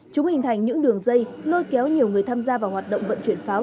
chúng hình thành những đường dây lôi kéo nhiều người tham gia vào hoạt động vận chuyển pháo